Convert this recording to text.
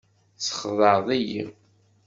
Txedɛeḍ-iyi.